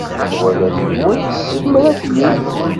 Menwala deg-wen yezmer ad t-yeg.